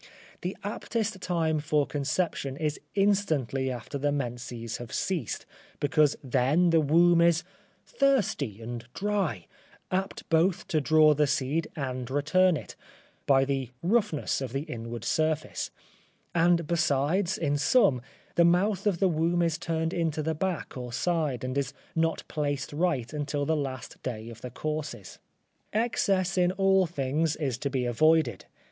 The aptest time for conception is instantly after the menses have ceased, because then the womb is thirsty and dry, apt both to draw the seed and return it, by the roughness of the inward surface, and besides, in some, the mouth of the womb is turned into the back or side, and is not placed right until the last day of the courses. Excess in all things is to be avoided.